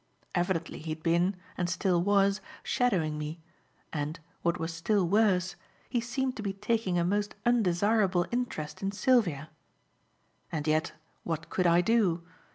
Evidently he had been, and still was, shadowing me, and, what was still worse, he seemed to be taking a most undesirable interest in Sylvia. And yet what could I do?